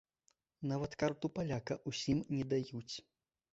Нават карту паляка ўсім не даюць.